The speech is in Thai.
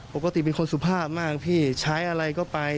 ปกติเป็นคนสุภาพมากพี่ใช้อะไรก็ไป